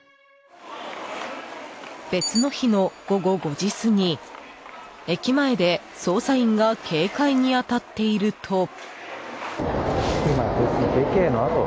別の日の午後５時過ぎ駅前で捜査員が警戒に当たっていると。